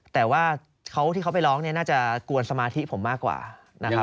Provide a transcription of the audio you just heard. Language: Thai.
แต่ว่าเขาที่เขาไปร้องเนี่ยน่าจะกวนสมาธิผมมากกว่านะครับ